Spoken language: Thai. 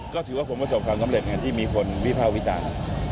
ก็ถือว่าผมประสบความสำเร็จอย่างที่มีคนวิภาควิจารณ์